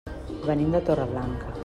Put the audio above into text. Venim de Torreblanca.